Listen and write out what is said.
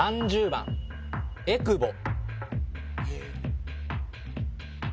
３０番えくぼ